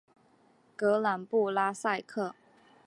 格朗布拉萨克。